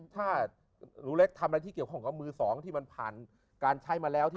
ถ้าหนูเล็กทำอะไรที่เกี่ยวข้องกับมือสองที่มันผ่านการใช้มาแล้ว